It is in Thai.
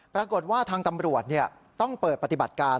ปรากฏว่าทางตำรวจต้องเปิดปฏิบัติการ